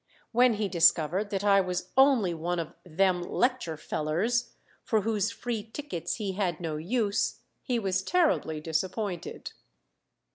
When he discovered that I was only one of "them lecture fellers," for whose free tickets he had no use, he was terribly disappointed.